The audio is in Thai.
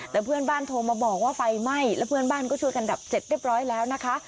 แต่เพื่อนบ้านโทรมาบอกว่าไฟไหม้แล้วเพื่อนบ้านก็ช่วยกันดับเสร็จเรียบร้อยแล้วนะคะ